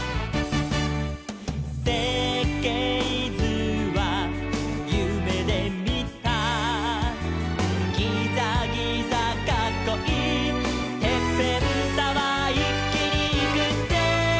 「せっけいずはゆめでみた」「ギザギザかっこいいてっぺんタワー」「いっきにいくぜ」